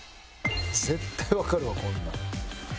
絶対わかるわこんなん。